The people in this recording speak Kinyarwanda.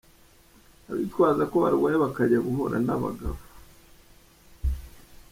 abitwaza ko barwaye bakajya guhura n’abagabo.